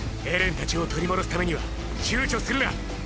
エレンたちを取り戻すためには躊躇するな。